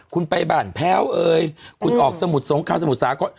คุณไปบ้านแพ้วเอ่ยคุณออกสมุทรสงครามสมุทรสาคร